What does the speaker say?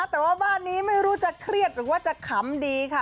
แต่ว่าบ้านนี้ไม่รู้จะเครียดหรือว่าจะขำดีค่ะ